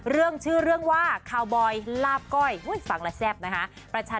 เรื่องชื่อเรื่องว่าคาวบอยลาบก้อยฟังแล้วแซ่บนะคะ